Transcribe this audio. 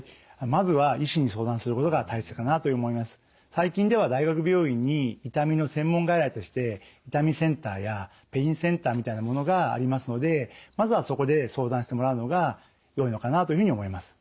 最近では大学病院に痛みの専門外来として痛みセンターやペインセンターみたいなものがありますのでまずはそこで相談してもらうのがよいのかなというふうに思います。